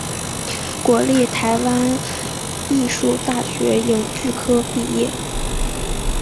国立台湾艺术大学影剧科毕业。